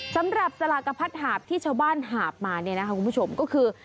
สำหรับสลากกระพัดหาบที่ชาวบ้านหาบมาเนี่ยนะคะคุณผู้ชมก็คือ